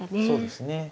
そうですね。